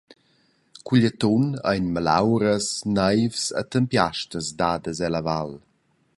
Cugl atun ein malauras, neivs e tempiastas dadas ella val.